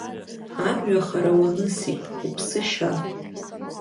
Амҩа хара уанысит, уԥсы шьа.